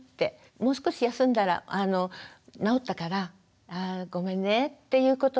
もう少し休んだらなおったからごめんねっていうことをね